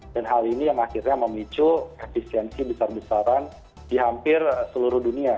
dan hal ini yang akhirnya memicu efisiensi besar besaran di hampir seluruh dunia